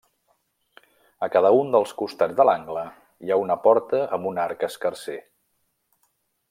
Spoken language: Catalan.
A cada un dels costats de l'angle hi ha una porta amb un arc escarser.